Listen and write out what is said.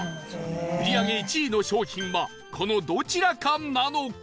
売り上げ１位の商品はこのどちらかなのか？